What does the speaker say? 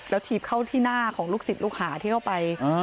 แล้วถีบเข้าที่หน้าของลูกศิษย์ลูกหาที่เข้าไป